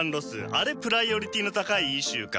あれプライオリティーの高いイシューかと。